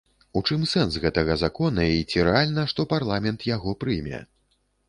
У чым сэнс гэтага закона і ці рэальна, што парламент яго прыме?